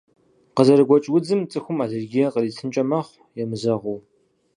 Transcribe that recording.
Къызэрыгуэкӏ удзым цӏыхум аллергие къритынкӏэ мэхъу, емызэгъыу.